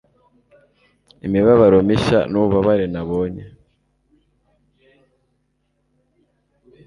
imibabaro mishya nububabare nabonye